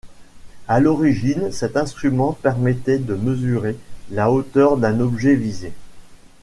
À l'origine, cet instrument permettait de mesurer la hauteur d'un objet visé.